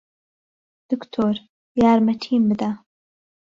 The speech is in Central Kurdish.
دکتۆر، یارمەتیم بدە!